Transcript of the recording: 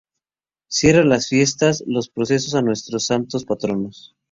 Cierran las fiestas la procesión a nuestros santos patronos.